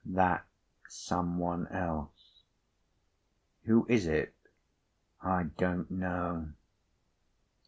That some one else." "Who is it?" "I don't know."